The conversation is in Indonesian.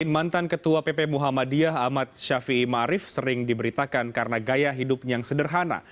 mantan ketua pp muhammadiyah ahmad syafi'i ma'arif sering diberitakan karena gaya hidupnya yang sederhana